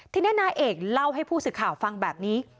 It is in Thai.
ทีนี้นายเอกเล่าให้ผู้สื่อข่าวฟังแบบนี้